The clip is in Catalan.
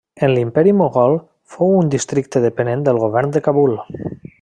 En l'imperi mogol fou un districte dependent del govern de Kabul.